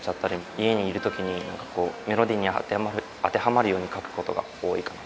家にいるときに、なんかこう、メロディーに当てはまるように書くことが多いかな。